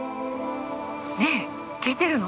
ねぇ聞いてるの？